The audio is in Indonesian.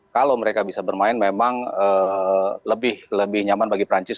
kalau mereka bisa bermain memang lebih nyaman bagi perancis